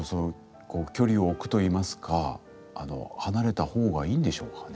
こう距離を置くといいますか離れた方がいいんでしょうかね？